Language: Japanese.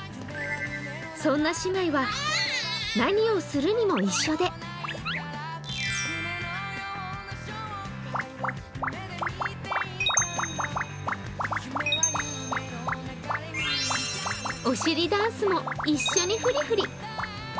そんな姉妹は何をするにも一緒でおしりダンスも一緒にフリフリ。